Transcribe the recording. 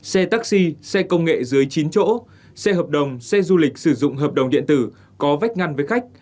xe taxi xe công nghệ dưới chín chỗ xe hợp đồng xe du lịch sử dụng hợp đồng điện tử có vách ngăn với khách